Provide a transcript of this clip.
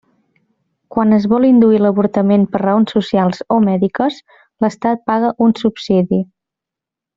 Quan es vol induir l'avortament per raons socials o mèdiques, l'estat paga un subsidi.